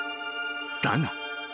［だが］